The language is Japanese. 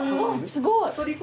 すごい。